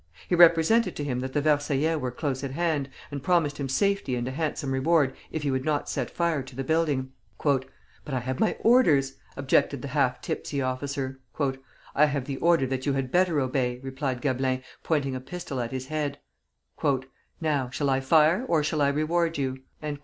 He represented to him that the Versaillais were close at hand, and promised him safety and a handsome reward if he would not set fire to the building. "But I have my orders!" objected the half tipsy officer. "I have the order you had better obey," replied Gablin, pointing a pistol at his head. "Now, shall I fire, or shall I reward you?"